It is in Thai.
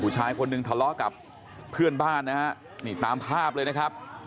ผู้ชายคนนึงทะเลาะกับเพื่อนบ้านตามภาพเลยนะครับ